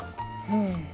うん。